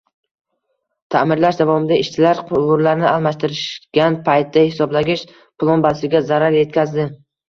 Taʼmirlash davomida ishchilar quvurlarni almashtirgan paytda hisoblagich plombasiga zarar yetkazdi.